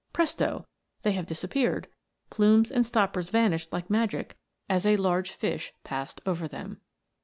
Presto ! they have disappeared, plumes and stoppers vanished like magic as a large fish passed over them.